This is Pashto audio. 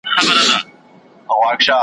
سوی یم ایره سوم پروانې را پسي مه ګوره .